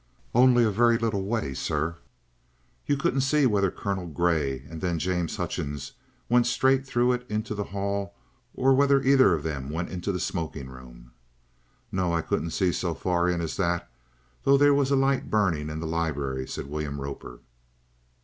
"Only a very little way, sir." "You couldn't see whether Colonel Grey and then James Hutchings went straight through it into the hall, or whether either of them went into the smoking room?" "No; I couldn't see so far in as that, though there was a light burning in the libery," said William Roper.